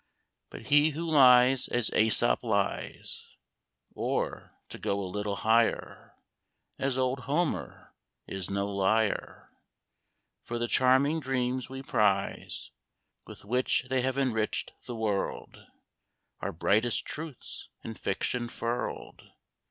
But he who lies as Æsop lies, Or, to go a little higher, As old Homer, is no liar; For the charming dreams we prize, With which they have enriched the world, Are brightest truths in fiction furled.